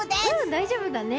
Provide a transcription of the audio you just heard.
大丈夫だね。